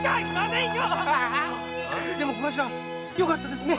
でも小頭よかったですね。